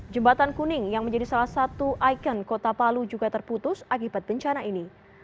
jembatan kuning yang menjadi salah satu ikon kota palu juga terputus akibat bencana ini